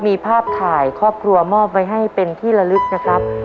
มีภาพถ่ายครอบครัวมอบไว้ให้เป็นที่ละลึกนะครับ